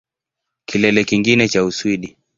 Kilele kingine cha Uswidi